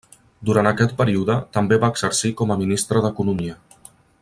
Durant aquest període també va exercir com a ministre d'economia.